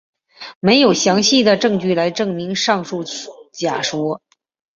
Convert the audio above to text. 没有详尽的证据来证明上述假说。